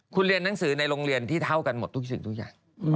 คุณเรียนหนังสือในโรงเรียนที่เท่ากันหมดทุกสิ่งทุกอย่าง